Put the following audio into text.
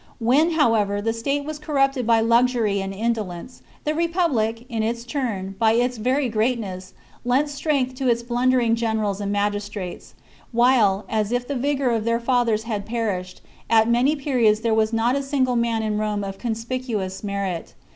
When, ^j^^j^ however, the state was corrupted by luxury and in dolence, the republic, in its turn, by its very greatness, lent strength to its blundering generals and magis trates ; while, as if the vigour of their fathers had perished, at many periods there was not a single man in Rome of conspicuous merit.